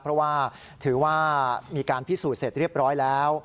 เพราะว่าถือว่ามีการพิสูจน์เสร็จเรียบร้อยแล้ว